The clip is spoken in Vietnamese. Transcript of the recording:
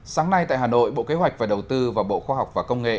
sáng nay tại hà nội bộ kế hoạch và đầu tư và bộ khoa học và công nghệ